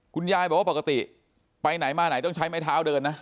คุณยายบอกว่าปกติไปไหนมาไหนต้องใช้ไม้เท้าเดินนะ